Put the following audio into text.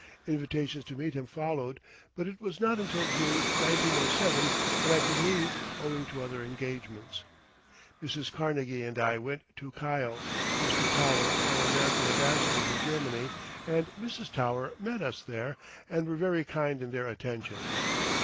Invitations to meet him followed; but it was not until June, 1907, that I could leave, owing to other engagements. Mrs. Carnegie and I went to Kiel. Mr. Tower, our American Ambassador to Germany, and Mrs. Tower met us there and were very kind in their attentions.